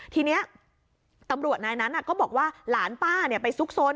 ทีนี้ตำรวจนายนั้นก็บอกว่าหลานป้าไปซุกซน